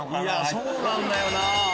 そうなんだよな。